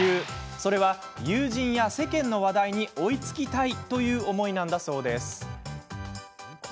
それは、友人や世間の話題に追いつきたいという思いなんだそうです。